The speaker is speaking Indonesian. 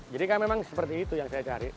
jadi memang seperti itu yang saya cari